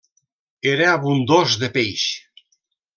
Era abundós de peix.